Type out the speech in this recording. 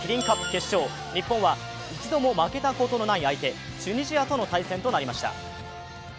日本は一度も負けたことがない相手チュニジアとの対戦となりました。